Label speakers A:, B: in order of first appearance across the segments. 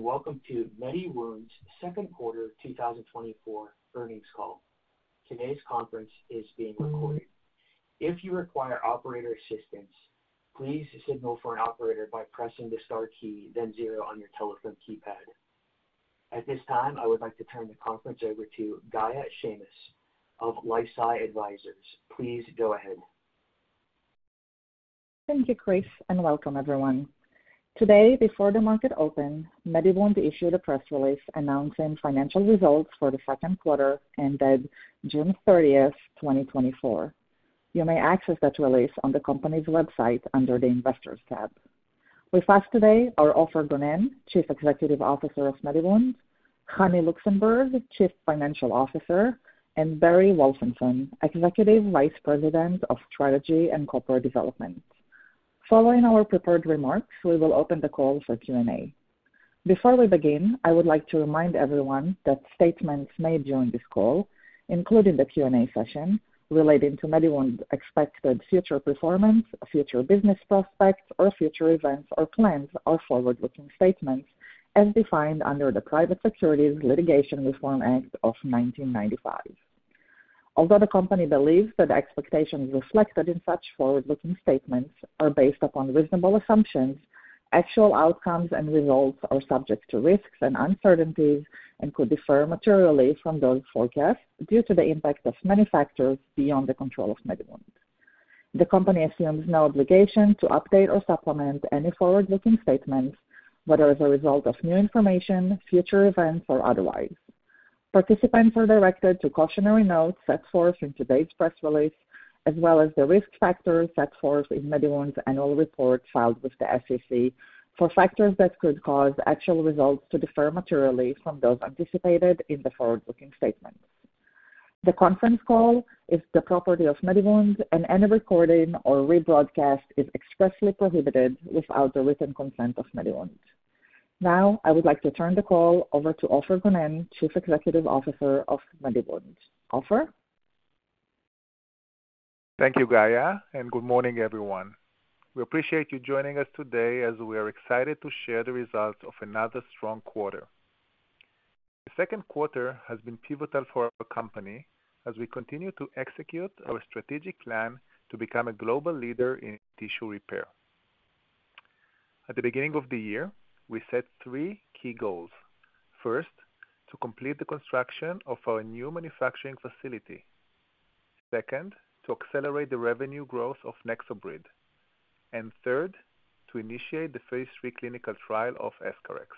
A: Good day, and welcome to MediWound's second quarter 2024 earnings call. Today's conference is being recorded. If you require operator assistance, please signal for an operator by pressing the star key, then zero on your telephone keypad. At this time, I would like to turn the conference over to Gaia Shamis of LifeSci Advisors. Please go ahead.
B: Thank you, Chris, and welcome everyone. Today, before the market opened, MediWound issued a press release announcing financial results for the second quarter ended June 30, 2024. You may access that release on the company's website under the Investors tab. With us today are Ofer Gonen, Chief Executive Officer of MediWound, Hani Luxenburg, Chief Financial Officer, and Barry Wolfenson, Executive Vice President of Strategy and Corporate Development. Following our prepared remarks, we will open the call for Q&A. Before we begin, I would like to remind everyone that statements made during this call, including the Q&A session, relating to MediWound's expected future performance, future business prospects, or future events or plans are forward-looking statements as defined under the Private Securities Litigation Reform Act of 1995. Although the company believes that expectations reflected in such forward-looking statements are based upon reasonable assumptions, actual outcomes and results are subject to risks and uncertainties and could differ materially from those forecasts due to the impact of many factors beyond the control of MediWound. The company assumes no obligation to update or supplement any forward-looking statements, whether as a result of new information, future events, or otherwise. Participants are directed to cautionary notes set forth in today's press release, as well as the risk factors set forth in MediWound's annual report filed with the SEC for factors that could cause actual results to differ materially from those anticipated in the forward-looking statements. The conference call is the property of MediWound, and any recording or rebroadcast is expressly prohibited without the written consent of MediWound. Now, I would like to turn the call over to Ofer Gonen, Chief Executive Officer of MediWound. Ofer?
C: Thank you, Gaia, and good morning, everyone. We appreciate you joining us today as we are excited to share the results of another strong quarter. The second quarter has been pivotal for our company as we continue to execute our strategic plan to become a global leader in tissue repair. At the beginning of the year, we set three key goals. First, to complete the construction of our new manufacturing facility. Second, to accelerate the revenue growth of NexoBrid. And third, to initiate the phase III clinical trial of EscharEx.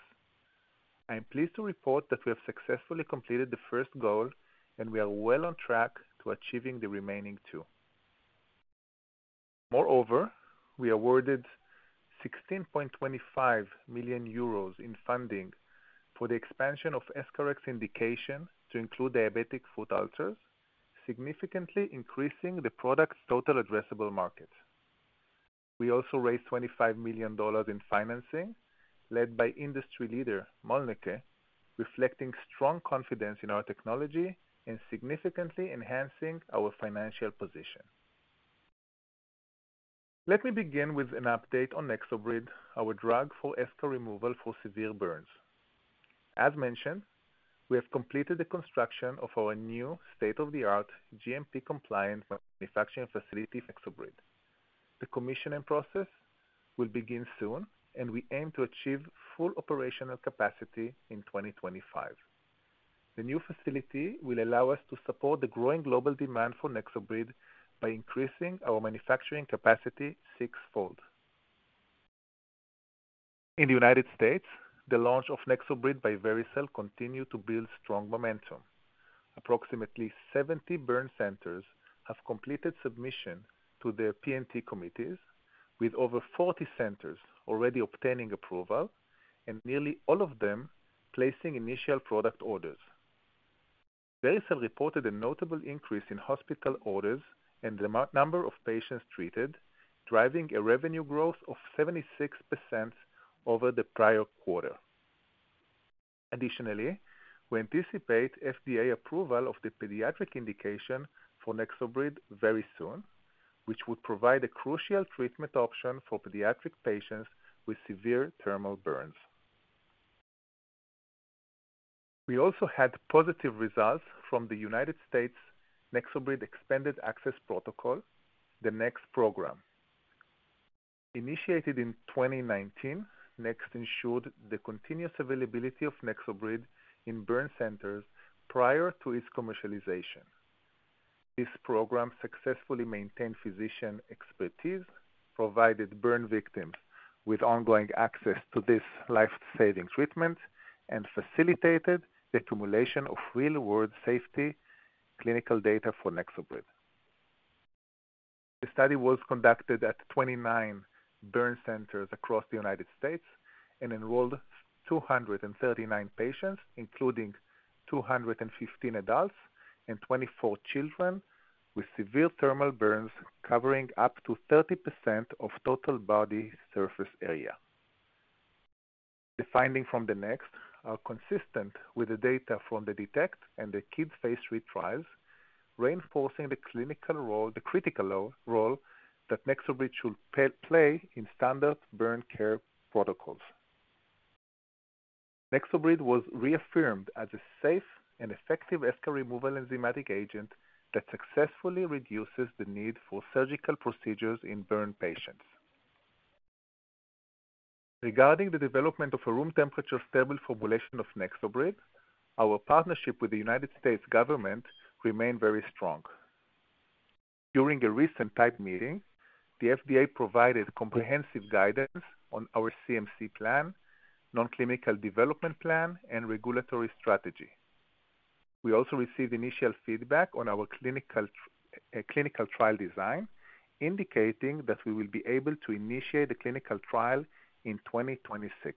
C: I am pleased to report that we have successfully completed the first goal, and we are well on track to achieving the remaining two. Moreover, we awarded 16.25 million euros in funding for the expansion of EscharEx indication to include diabetic foot ulcers, significantly increasing the product's total addressable market. We also raised $25 million in financing, led by industry leader Mölnlycke, reflecting strong confidence in our technology and significantly enhancing our financial position. Let me begin with an update on NexoBrid, our drug for eschar removal for severe burns. As mentioned, we have completed the construction of our new state-of-the-art, GMP-compliant manufacturing facility, NexoBrid. The commissioning process will begin soon, and we aim to achieve full operational capacity in 2025. The new facility will allow us to support the growing global demand for NexoBrid by increasing our manufacturing capacity sixfold. In the United States, the launch of NexoBrid by Vericel continued to build strong momentum. Approximately 70 burn centers have completed submission to their P&T committees, with over 40 centers already obtaining approval and nearly all of them placing initial product orders. Vericel reported a notable increase in hospital orders and the number of patients treated, driving a revenue growth of 76% over the prior quarter. Additionally, we anticipate FDA approval of the pediatric indication for NexoBrid very soon, which would provide a crucial treatment option for pediatric patients with severe thermal burns. We also had positive results from the United States NexoBrid Expanded Access Protocol, the NEXT program. Initiated in 2019, NEXT ensured the continuous availability of NexoBrid in burn centers prior to its commercialization. This program successfully maintained physician expertise, provided burn victims with ongoing access to this life-saving treatment, and facilitated the accumulation of real-world safety clinical data for NexoBrid. The study was conducted at 29 burn centers across the United States and enrolled 239 patients, including 215 adults and 24 children with severe thermal burns, covering up to 30% of total body surface area. The finding from the NEXT are consistent with the data from the DETECT and the CIDS phase III trials reinforcing the clinical role, the critical role that NexoBrid should play in standard burn care protocols. NexoBrid was reaffirmed as a safe and effective eschar removal enzymatic agent that successfully reduces the need for surgical procedures in burn patients. Regarding the development of a room temperature stable formulation of NexoBrid, our partnership with the United States government remained very strong. During a recent type meeting, the FDA provided comprehensive guidance on our CMC plan, non-clinical development plan, and regulatory strategy. We also received initial feedback on our clinical trial design, indicating that we will be able to initiate the clinical trial in 2026.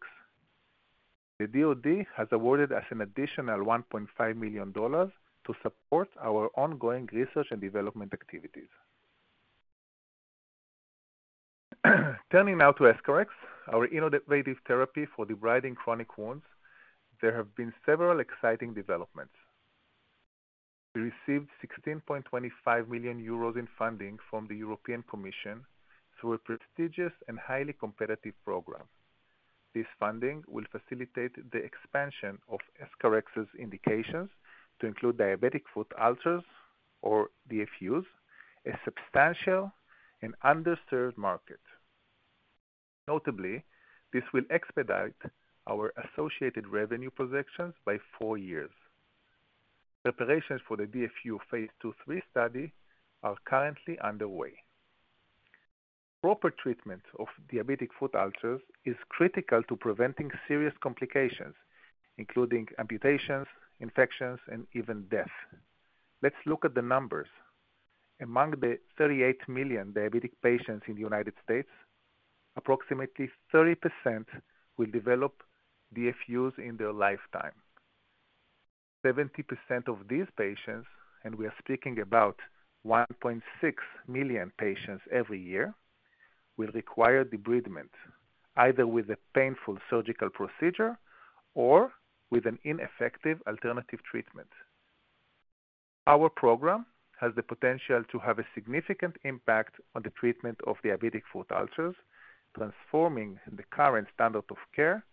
C: The DOD has awarded us an additional $1.5 million to support our ongoing research and development activities. Turning now to EscharEx, our innovative therapy for debriding chronic wounds, there have been several exciting developments. We received 16.25 million euros in funding from the European Commission through a prestigious and highly competitive program. This funding will facilitate the expansion of EscharEx's indications to include diabetic foot ulcers, or DFUs, a substantial and underserved market. Notably, this will expedite our associated revenue projections by four years. Preparations for the DFU phase II, III study are currently underway. Proper treatment of diabetic foot ulcers is critical to preventing serious complications, including amputations, infections, and even death. Let's look at the numbers. Among the 38 million diabetic patients in the United States, approximately 30% will develop DFUs in their lifetime. Seventy percent of these patients, and we are speaking about 1.6 million patients every year, will require debridement, either with a painful surgical procedure or with an ineffective alternative treatment. Our program has the potential to have a significant impact on the treatment of diabetic foot ulcers, transforming the current standard of care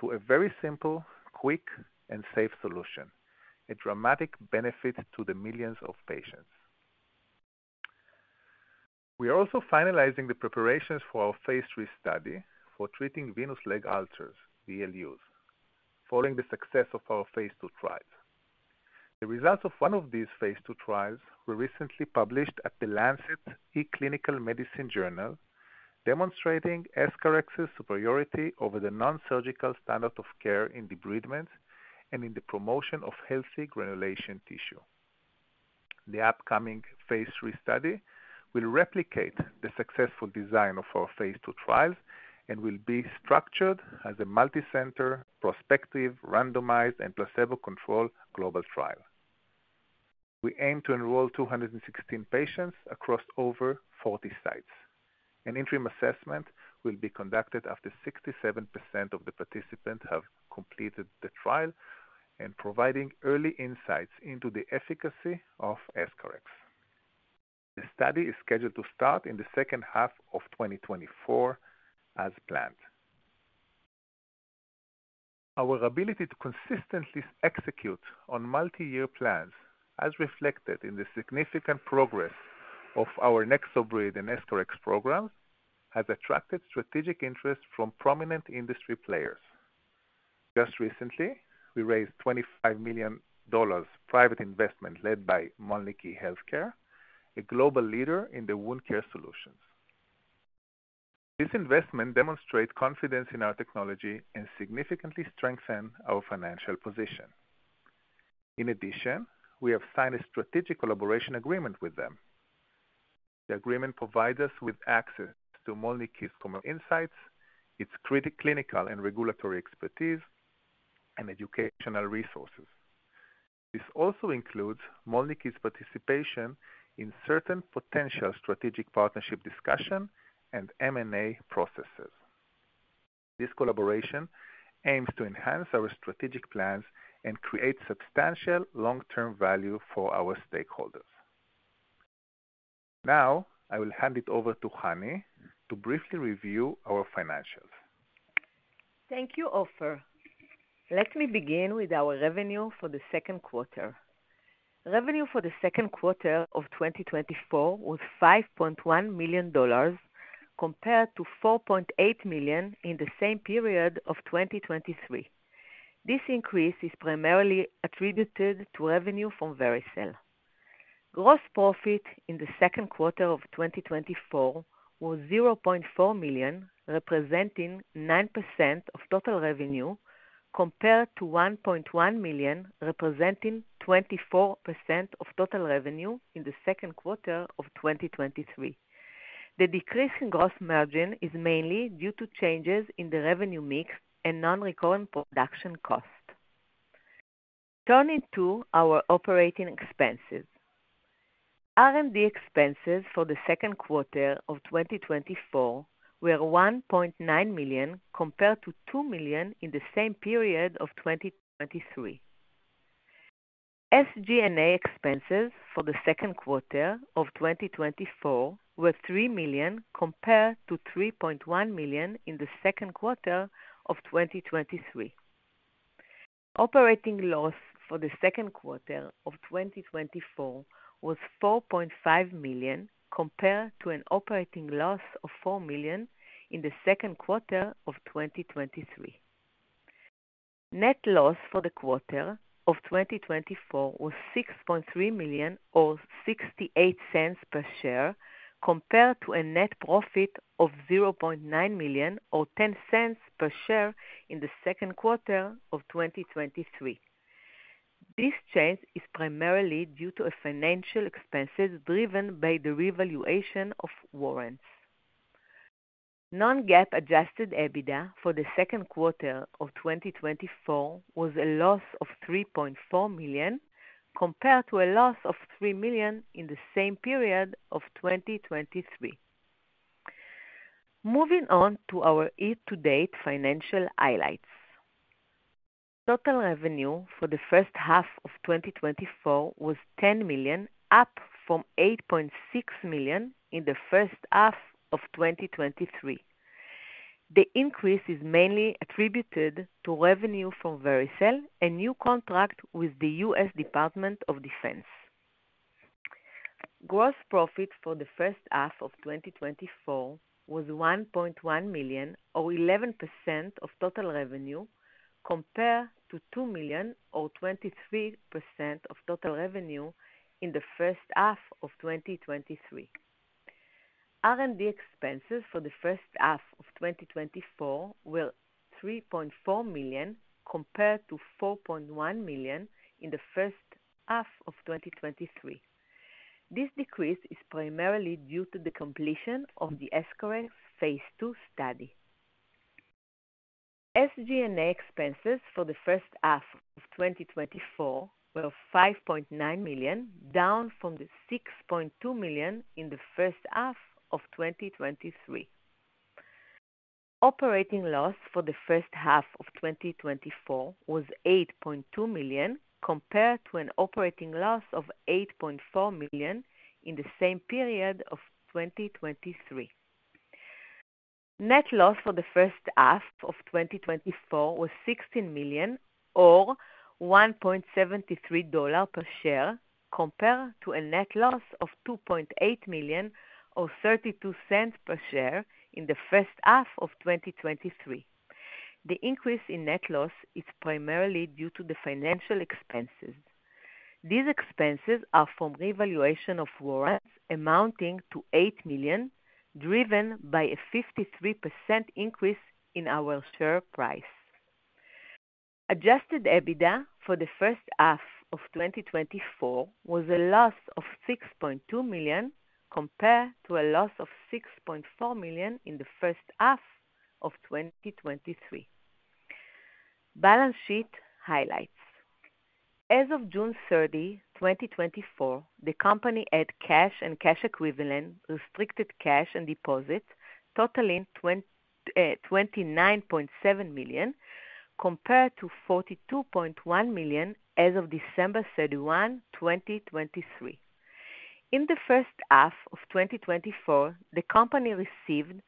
C: to a very simple, quick, and safe solution, a dramatic benefit to the millions of patients. We are also finalizing the preparations for our phase III study for treating venous leg ulcers, VLUs, following the success of our phase II trials. The results of one of these phase II trials were recently published at The Lancet eClinicalMedicine, demonstrating EscharEx's superiority over the non-surgical standard of care in debridement and in the promotion of healthy granulation tissue. The upcoming phase III study will replicate the successful design of our phase II trials and will be structured as a multicenter, prospective, randomized, and placebo-controlled global trial. We aim to enroll 216 patients across over 40 sites. An interim assessment will be conducted after 67% of the participants have completed the trial and providing early insights into the efficacy of EscharEx. The study is scheduled to start in the second half of 2024 as planned. Our ability to consistently execute on multi-year plans, as reflected in the significant progress of our NexoBrid and EscharEx programs, has attracted strategic interest from prominent industry players. Just recently, we raised $25 million private investment led by Mölnlycke Health Care, a global leader in the wound care solutions. This investment demonstrate confidence in our technology and significantly strengthen our financial position. In addition, we have signed a strategic collaboration agreement with them. The agreement provides us with access to Mölnlycke's commercial insights, its clinical and regulatory expertise, and educational resources. This also includes Mölnlycke's participation in certain potential strategic partnership discussion and M&A processes. This collaboration aims to enhance our strategic plans and create substantial long-term value for our stakeholders. Now, I will hand it over to Hani to briefly review our financials.
D: Thank you, Ofer. Let me begin with our revenue for the second quarter. Revenue for the second quarter of 2024 was $5.1 million, compared to $4.8 million in the same period of 2023. This increase is primarily attributed to revenue from Vericel. Gross profit in the second quarter of 2024 was $0.4 million, representing 9% of total revenue, compared to $1.1 million, representing 24% of total revenue in the second quarter of 2023. The decrease in gross margin is mainly due to changes in the revenue mix and non-recurrent production costs. Turning to our operating expenses. R&D expenses for the second quarter of 2024 were $1.9 million, compared to $2 million in the same period of 2023. SG&A expenses for the second quarter of 2024 were $3 million, compared to $3.1 million in the second quarter of 2023. Operating loss for the second quarter of 2024 was $4.5 million, compared to an operating loss of $4 million in the second quarter of 2023. Net loss for the quarter of 2024 was $6.3 million, or $0.68 per share, compared to a net profit of $0.9 million, or $0.10 per share, in the second quarter of 2023. This change is primarily due to a financial expenses driven by the revaluation of warrants. Non-GAAP adjusted EBITDA for the second quarter of 2024 was a loss of $3.4 million, compared to a loss of $3 million in the same period of 2023. Moving on to our year-to-date financial highlights. Total revenue for the first half of 2024 was $10 million, up from $8.6 million in the first half of 2023. The increase is mainly attributed to revenue from Vericel, a new contract with the U.S. Department of Defense. Gross profit for the first half of 2024 was $1.1 million, or 11% of total revenue, compared to $2 million or 23% of total revenue in the first half of 2023. R&D expenses for the first half of 2024 were $3.4 million, compared to $4.1 million in the first half of 2023. This decrease is primarily due to the completion of the EscharEx phase II study. SG&A expenses for the first half of 2024 were $5.9 million, down from $6.2 million in the first half of 2023. Operating loss for the first half of 2024 was $8.2 million, compared to an operating loss of $8.4 million in the same period of 2023. Net loss for the first half of 2024 was $16 million, or $1.73 per share, compared to a net loss of $2.8 million, or 32 cents per share, in the first half of 2023. The increase in net loss is primarily due to the financial expenses. These expenses are from revaluation of warrants amounting to $8 million, driven by a 53% increase in our share price. Adjusted EBITDA for the first half of 2024 was a loss of $6.2 million, compared to a loss of $6.4 million in the first half of 2023. Balance sheet highlights. As of June 30, 2024, the company had cash and cash equivalents, restricted cash and deposits totaling $29.7 million, compared to $42.1 million as of December 31, 2023. In the first half of 2024, the company received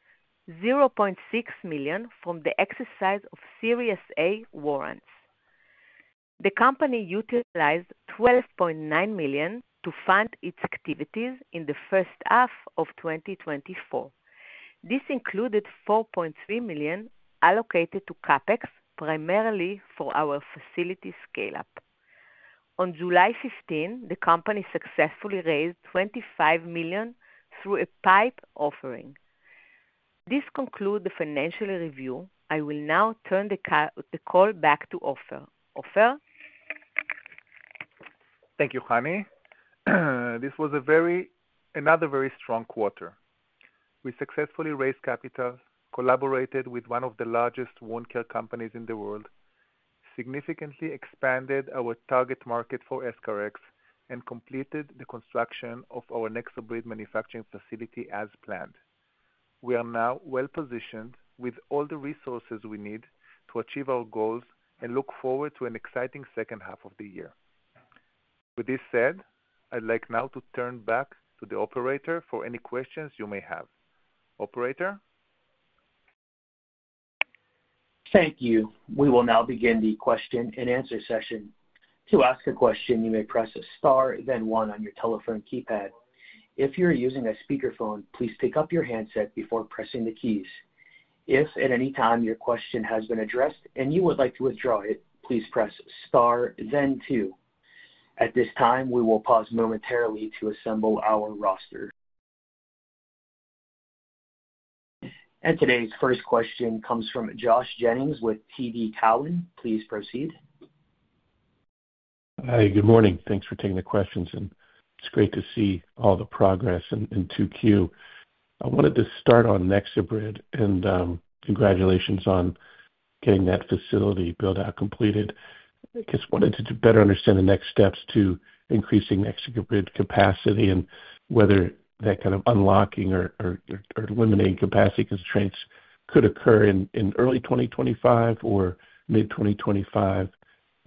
D: $0.6 million from the exercise of Series A warrants. The company utilized $12.9 million to fund its activities in the first half of 2024. This included $4.3 million allocated to CapEx, primarily for our facility scale-up. On July 15, the company successfully raised $25 million through a PIPE offering. This conclude the financial review. I will now turn the call back to Ofer. Ofer?
C: Thank you, Hani. This was another very strong quarter. We successfully raised capital, collaborated with one of the largest wound care companies in the world, significantly expanded our target market for EscharEx, and completed the construction of our NexoBrid manufacturing facility as planned. We are now well-positioned with all the resources we need to achieve our goals and look forward to an exciting second half of the year. With this said, I'd like now to turn back to the operator for any questions you may have. Operator?
A: Thank you. We will now begin the question-and-answer session. To ask a question, you may press star then one on your telephone keypad. If you're using a speakerphone, please pick up your handset before pressing the keys. If at any time your question has been addressed and you would like to withdraw it, please press star then two. At this time, we will pause momentarily to assemble our roster. Today's first question comes from Josh Jennings with TD Cowen. Please proceed.
E: Hi, good morning. Thanks for taking the questions, and it's great to see all the progress in Q2. I wanted to start on NexoBrid, and congratulations on getting that facility build-out completed. I just wanted to better understand the next steps to increasing NexoBrid capacity and whether that kind of unlocking or eliminating capacity constraints could occur in early 2025 or mid-2025.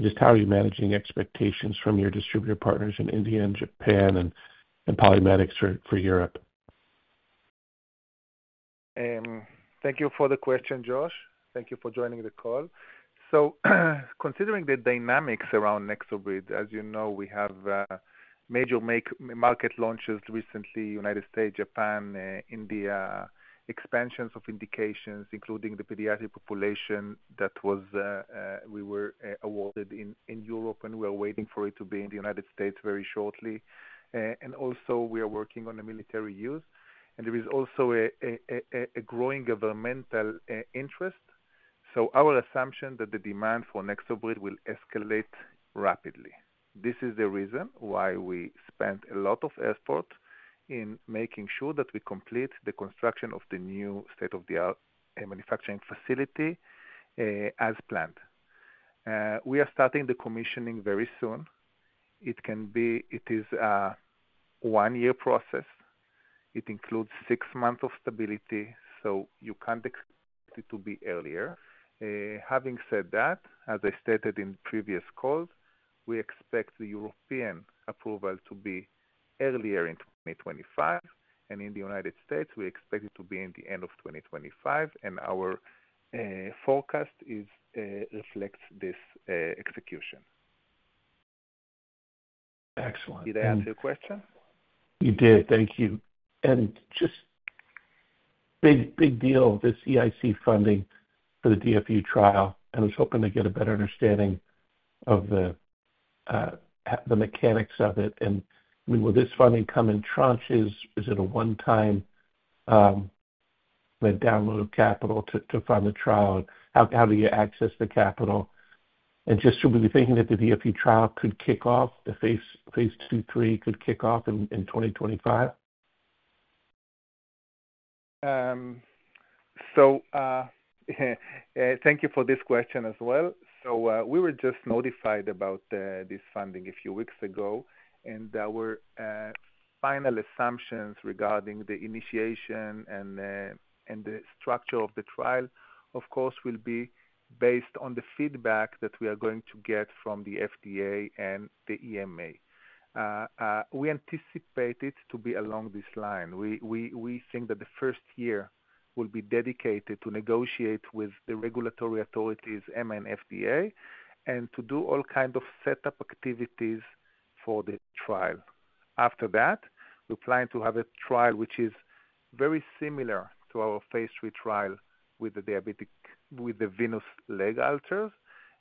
E: Just how are you managing expectations from your distributor partners in India and Japan and PolyMedics for Europe?
C: Thank you for the question, Josh. Thank you for joining the call. So considering the dynamics around NexoBrid, as you know, we have major market launches recently, United States, Japan, India. Expansions of indications, including the pediatric population that we were awarded in Europe, and we are waiting for it to be in the United States very shortly. And also we are working on the military use, and there is also a growing governmental interest. So our assumption that the demand for NexoBrid will escalate rapidly. This is the reason why we spent a lot of effort in making sure that we complete the construction of the new state-of-the-art manufacturing facility as planned. We are starting the commissioning very soon. It is a one-year process. It includes six months of stability, so you can't expect it to be earlier. Having said that, as I stated in previous calls, we expect the European approval to be earlier in 2025, and in the United States, we expect it to be in the end of 2025, and our forecast reflects this execution.
E: Excellent.
C: Did I answer your question?
E: You did. Thank you. And just big, big deal, this EIC funding for the DFU trial, and I was hoping to get a better understanding of the mechanics of it. And, I mean, will this funding come in tranches? Is it a one-time download of capital to fund the trial? How do you access the capital? And just so we be thinking that the DFU trial could kick off, the phase II, III could kick off in 2025.
C: So, thank you for this question as well. So, we were just notified about this funding a few weeks ago, and our final assumptions regarding the initiation and the structure of the trial, of course, will be based on the feedback that we are going to get from the FDA and the EMA. We anticipate it to be along this line. We think that the first year will be dedicated to negotiate with the regulatory authorities, EMA and FDA, and to do all kind of setup activities for the trial. After that, we're planning to have a trial which is very similar to our phase III trial with the venous leg ulcers.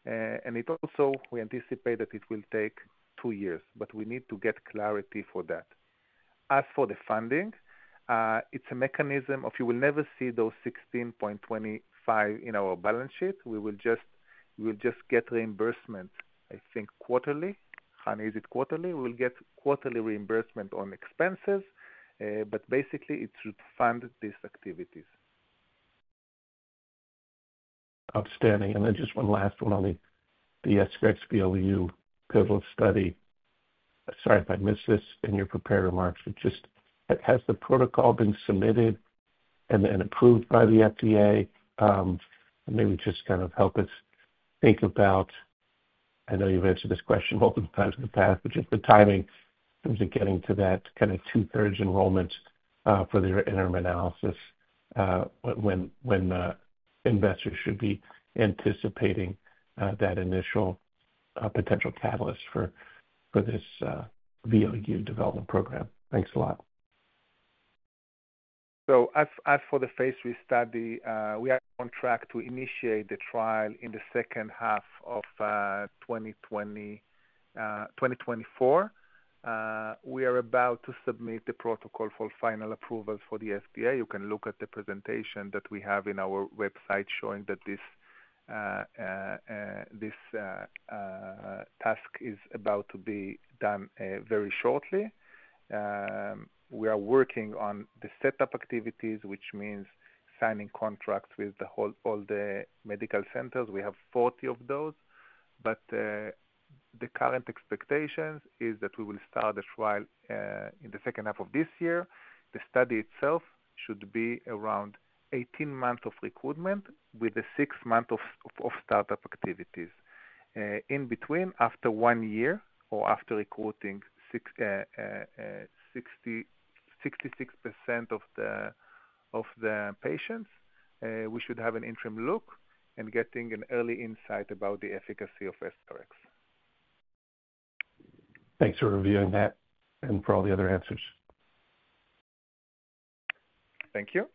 C: And it also, we anticipate that it will take 2 years, but we need to get clarity for that. As for the funding, it's a mechanism of you will never see those $16.25 in our balance sheet. We will just get reimbursement, I think, quarterly. Hani, is it quarterly? We'll get quarterly reimbursement on expenses, but basically it should fund these activities.
E: Outstanding. And then just one last one on the EscharEx VLU pivotal study. Sorry if I missed this in your prepared remarks, but just has the protocol been submitted and approved by the FDA? Maybe just kind of help us think about. I know you've answered this question multiple times in the past, but just the timing in terms of getting to that kind of two-thirds enrollment for the interim analysis, when investors should be anticipating that initial potential catalyst for this VLU development program. Thanks a lot.
C: So, as for the phase III study, we are on track to initiate the trial in the second half of 2024. We are about to submit the protocol for final approval for the FDA. You can look at the presentation that we have in our website showing that this task is about to be done very shortly. We are working on the setup activities, which means signing contracts with all the medical centers. We have 40 of those. But the current expectations is that we will start the trial in the second half of this year. The study itself should be around 18 months of recruitment, with the 6 months of startup activities. In between, after one year or after recruiting 66% of the patients, we should have an interim look and getting an early insight about the efficacy of EscharEx.
E: Thanks for reviewing that and for all the other answers.
C: Thank you.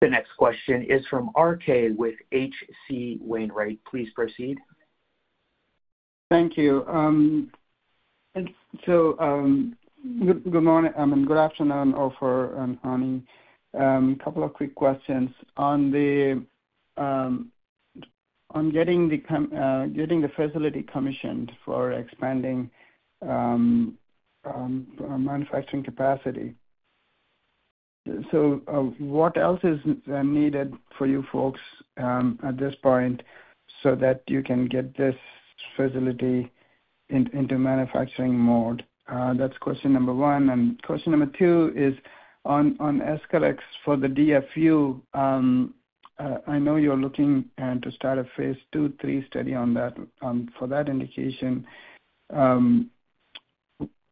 A: The next question is from RK with H.C. Wainwright. Please proceed.
F: Thank you. Good morning, I mean, good afternoon, Ofer and Hani. A couple of quick questions. On the,... on getting the facility commissioned for expanding our manufacturing capacity. So, what else is needed for you folks at this point so that you can get this facility into manufacturing mode? That's question number one. And question number two is on EscharEx for the DFU. I know you're looking to start a phase II, three study on that for that indication.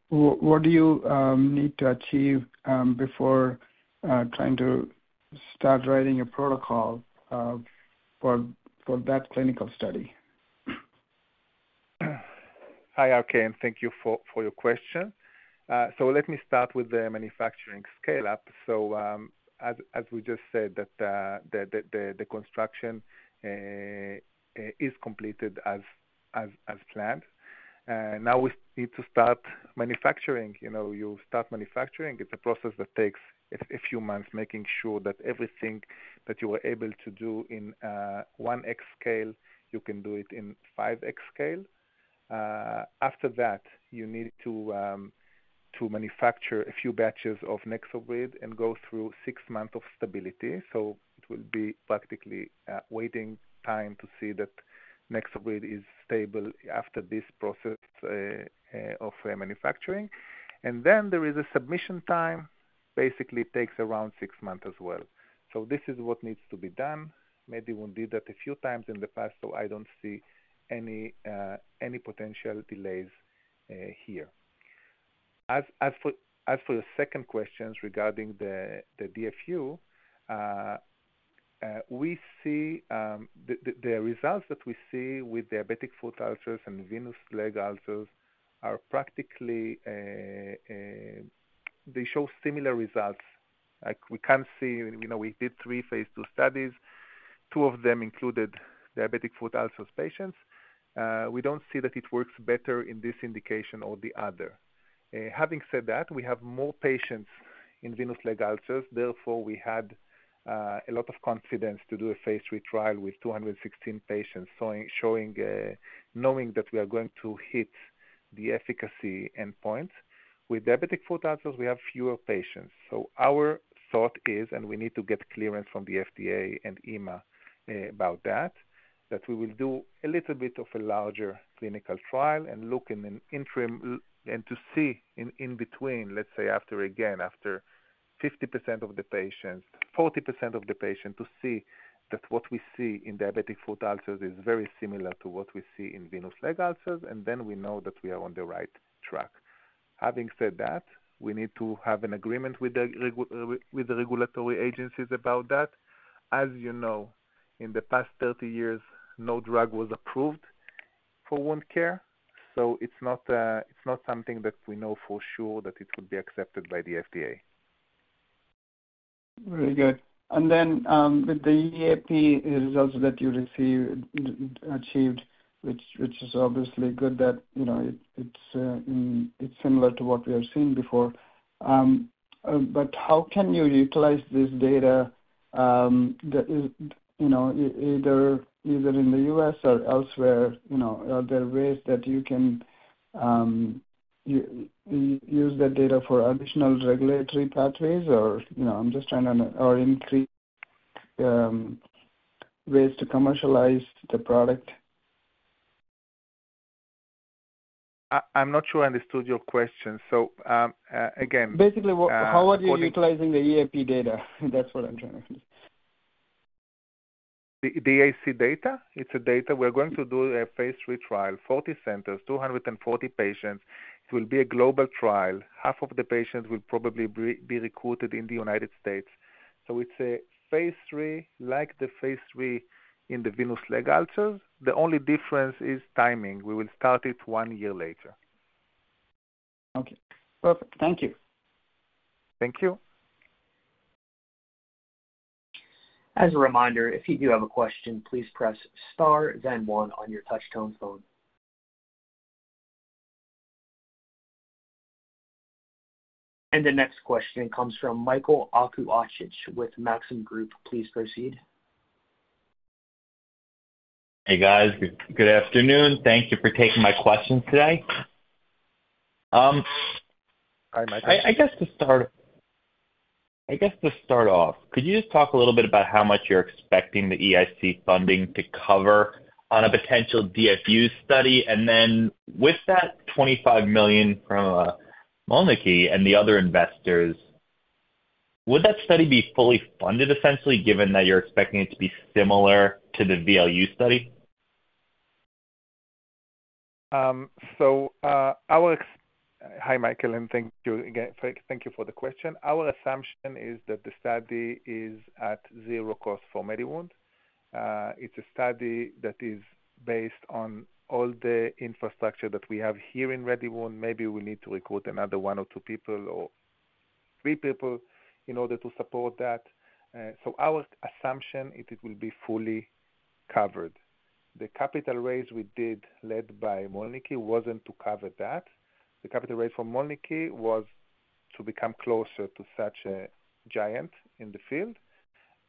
F: What do you need to achieve before trying to start writing a protocol for that clinical study?
C: Hi, RK, and thank you for your question. So let me start with the manufacturing scale-up. So, as we just said, the construction is completed as planned. Now we need to start manufacturing. You know, you start manufacturing, it's a process that takes a few months, making sure that everything that you were able to do in 1X scale, you can do it in 5X scale. After that, you need to manufacture a few batches of NexoBrid and go through six months of stability. So it will be practically waiting time to see that NexoBrid is stable after this process of manufacturing. And then there is a submission time. Basically, it takes around six months as well. So this is what needs to be done. Maybe we did that a few times in the past, so I don't see any potential delays here. As for the second questions regarding the DFU, we see the results that we see with diabetic foot ulcers and venous leg ulcers are practically. They show similar results. Like, we can't see, you know, we did three phase II studies. Two of them included diabetic foot ulcers patients. We don't see that it works better in this indication or the other. Having said that, we have more patients in venous leg ulcers, therefore, we had a lot of confidence to do a phase III trial with 216 patients, showing knowing that we are going to hit the efficacy endpoint. With diabetic foot ulcers, we have fewer patients. Our thought is, and we need to get clearance from the FDA and EMA about that, that we will do a little bit of a larger clinical trial and look in an interim look and to see in between, let's say, after fifty percent of the patients, 40% of the patient, to see that what we see in diabetic foot ulcers is very similar to what we see in venous leg ulcers, and then we know that we are on the right track. Having said that, we need to have an agreement with the regulatory agencies about that. As you know, in the past 30 years, no drug was approved for wound care, so it's not something that we know for sure that it would be accepted by the FDA.
F: Very good. Then, with the EAP results that you received, achieved, which is obviously good, you know, it's similar to what we have seen before. But how can you utilize this data, either in the U.S. or elsewhere, you know, are there ways that you can use that data for additional regulatory pathways or increase ways to commercialize the product?
C: I'm not sure I understood your question. So, again-
F: Basically, how are you utilizing the EAP data? That's what I'm trying to ask you.
C: The DFU data? It's the data. We're going to do a phase III trial, 40 centers, 240 patients. It will be a global trial. Half of the patients will probably be recruited in the United States. So it's a phase III, like the phase III in the venous leg ulcers. The only difference is timing. We will start it one year later.
F: Okay, perfect. Thank you.
C: Thank you.
A: As a reminder, if you do have a question, please press Star then one on your touchtone phone. The next question comes from Michael Okunewitch with Maxim Group. Please proceed.
G: Hey, guys. Good, good afternoon. Thank you for taking my questions today.
C: Hi, Michael.
G: I guess to start off, could you just talk a little bit about how much you're expecting the EIC funding to cover on a potential DFU study? And then with that $25 million from Mölnlycke and the other investors, would that study be fully funded, essentially, given that you're expecting it to be similar to the VLU study?
C: Hi, Michael, and thank you again. Thank you for the question. Our assumption is that the study is at zero cost for MediWound. It's a study that is based on all the infrastructure that we have here in MediWound. Maybe we need to recruit another one or two people or three people in order to support that. So our assumption is it will be fully covered. The capital raise we did, led by Mölnlycke, wasn't to cover that. The capital raise for Mölnlycke was to become closer to such a giant in the field,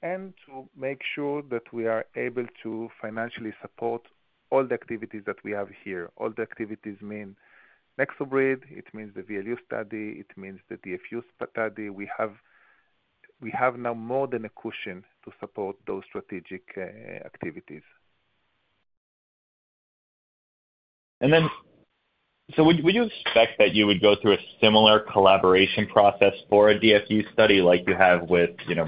C: and to make sure that we are able to financially support all the activities that we have here. All the activities mean NexoBrid, it means the VLU study, it means the DFU study. We have, we have now more than a cushion to support those strategic activities.
G: Would you expect that you would go through a similar collaboration process for a DFU study like you have with, you know,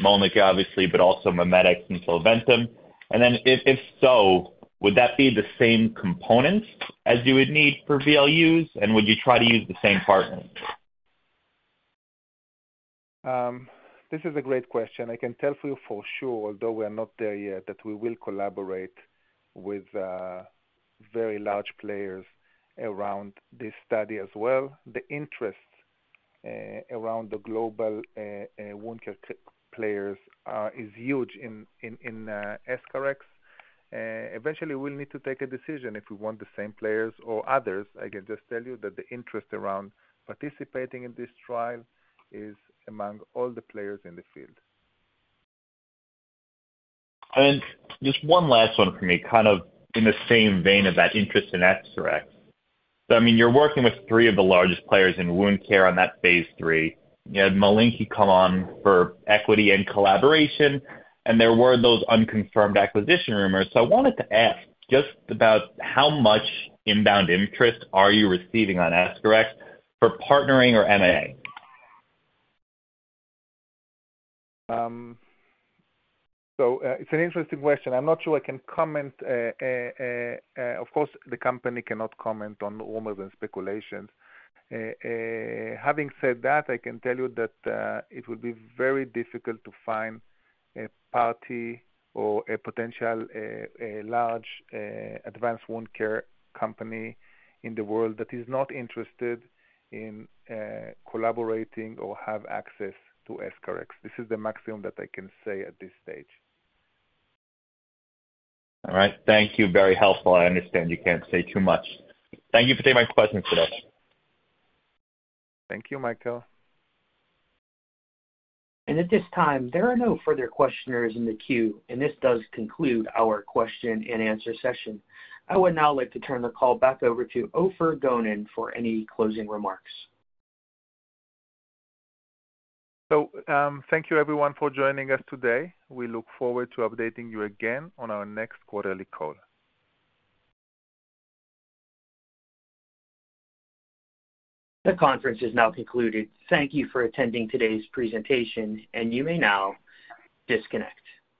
G: Mölnlycke, obviously, but also MiMedx and Solventum? If so, would that be the same components as you would need for VLUs? Would you try to use the same partners?
C: This is a great question. I can tell you for sure, although we are not there yet, that we will collaborate with very large players around this study as well. The interest around the global wound care players is huge in EscharEx. Eventually, we'll need to take a decision if we want the same players or others. I can just tell you that the interest around participating in this trial is among all the players in the field.
G: Just one last one for me, kind of in the same vein of that interest in EscharEx. So I mean, you're working with three of the largest players in wound care on that phase III. You had Mölnlycke come on for equity and collaboration, and there were those unconfirmed acquisition rumors. So I wanted to ask just about how much inbound interest are you receiving on EscharEx for partnering or M&A?
C: So, it's an interesting question. I'm not sure I can comment, of course, the company cannot comment on rumors and speculations. Having said that, I can tell you that, it would be very difficult to find a party or a potential, a large, advanced wound care company in the world that is not interested in, collaborating or have access to EscharEx. This is the maximum that I can say at this stage.
G: All right. Thank you. Very helpful. I understand you can't say too much. Thank you for taking my questions today.
C: Thank you, Michael.
A: At this time, there are no further questioners in the queue, and this does conclude our question-and-answer session. I would now like to turn the call back over to Ofer Gonen for any closing remarks.
C: Thank you everyone for joining us today. We look forward to updating you again on our next quarterly call.
A: The conference is now concluded. Thank you for attending today's presentation, and you may now disconnect.